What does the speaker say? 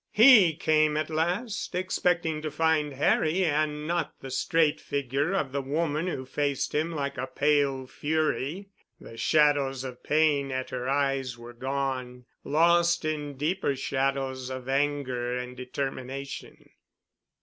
He came at last, expecting to find Harry and not the straight figure of the woman who faced him like a pale fury. The shadows of pain at her eyes were gone, lost in deeper shadows of anger and determination.